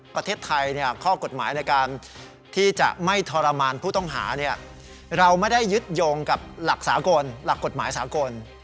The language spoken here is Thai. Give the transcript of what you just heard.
ประเทศไทยข้อกฎหมายในการที่จะไม่ทรมานผู้ต้องหาเราไม่ได้ยึดโยงกับหลักสากลหลักกฎหมายสากล